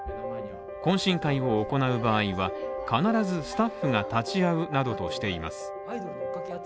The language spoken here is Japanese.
懇親会を行う場合は、必ずスタッフが立ち会うなどとしています。